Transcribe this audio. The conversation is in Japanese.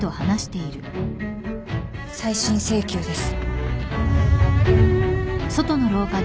再審請求です。